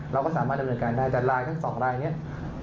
เราก็สามารถดำเนินการได้แต่ลายทั้งสองรายนี้